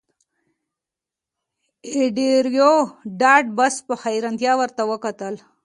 انډریو ډاټ باس په حیرانتیا ورته وکتل